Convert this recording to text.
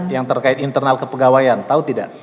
yang terkait internal kepegawaian tahu tidak